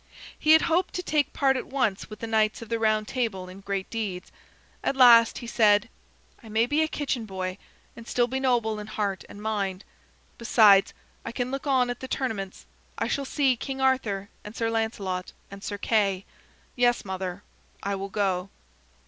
He had hoped to take part at once with the Knights of the Round Table in great deeds. At last he said: "I may be a kitchen boy and still be noble in heart and mind. Besides, I can look on at the tournaments. I shall see King Arthur and Sir Lancelot and Sir Kay. Yes, mother, I will go."